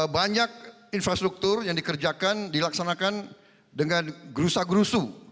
banyak infrastruktur yang dikerjakan dilaksanakan dengan gerusa gerusu